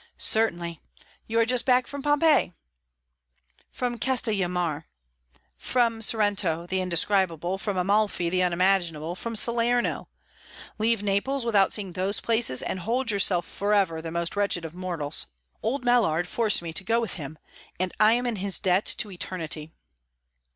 "Certainly. You are just back from Pompeii?" "From Castellamare from Sorrento the indescribable from Amalfi the unimaginable from Salerno! Leave Naples without seeing those places, and hold yourself for ever the most wretched of mortals! Old Mallard forced me to go with him, and I am in his debt to eternity!"